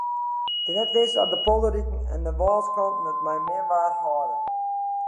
It is net wis oft de polderdiken en wâlskanten it mei min waar hâlde.